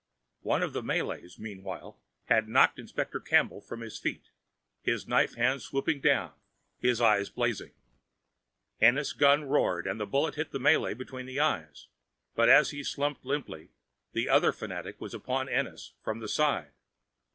One of the Malays meanwhile had knocked Inspector Campbell from his feet, his knife hand swooping down, his eyes blazing. Ennis' gun roared and the bullet hit the Malay between the eyes. But as he slumped limply, the other fanatic was upon Ennis from the side.